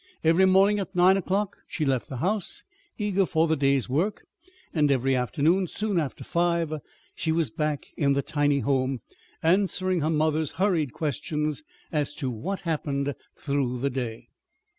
Every morning at nine o'clock she left the house, eager for the day's work; and every afternoon, soon after five, she was back in the tiny home, answering her mother's hurried questions as to what had happened through the day.